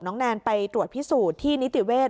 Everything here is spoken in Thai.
แนนไปตรวจพิสูจน์ที่นิติเวศ